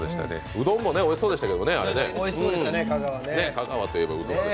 うどんもおいしそうでしたけどね。